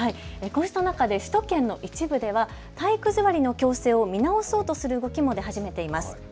こうした中で首都圏の一部では体育座りの強制を見直そうという動きも出始めています。